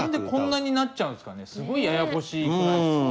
すごいややこしくないですか。